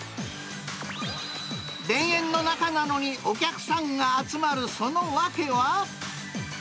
田園の中なのに、お客さんが集まる、その訳は？